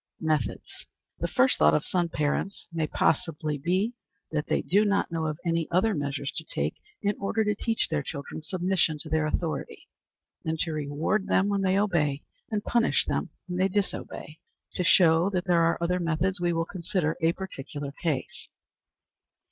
Methods. The first thought of some parents may possibly be, that they do not know of any other measures to take in order to teach their children submission to their authority, than to reward them when they obey and punish them when they disobey. To show that there are other methods, we will consider a particular case.